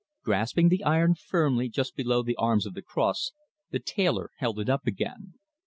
Grasping the iron firmly just below the arms of the cross, the tailor held it up again.